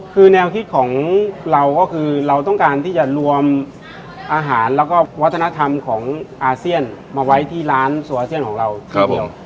คือแนวคิดของเราก็คือเราต้องการที่จะรวมอาหารแล้วก็วัฒนธรรมของอาเซียนมาไว้ที่ร้านโซอาเซียนของเราทีเดียว